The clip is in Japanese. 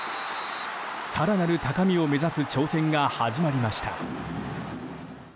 更なる高みを目指す挑戦が始まりました。